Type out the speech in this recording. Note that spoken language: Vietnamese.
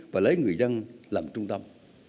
và lấy người dân làm trung tâm